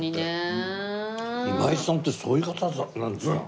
今井さんってそういう方なんですか。